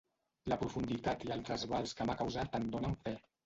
La profunditat i el trasbals que m’ha causat en donen fe.